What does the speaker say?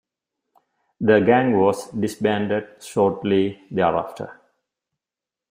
The gang was disbanded shortly thereafter.